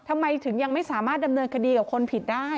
ทำไมถึงยังไม่สามารถดำเนินคดีกับคนผิดได้